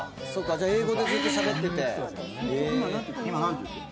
じゃあ英語でずっとしゃべってて」